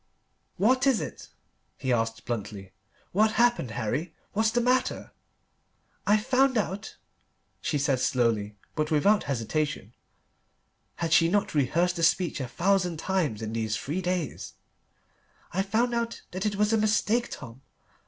"What is it?" he asked bluntly. "What's happened, Harry? What's the matter?" "I've found out," she said slowly, but without hesitation: had she not rehearsed the speech a thousand times in these three days? "I've found out that it was a mistake, Tom.